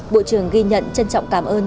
bộ trưởng ghi nhận trân trọng cảm ơn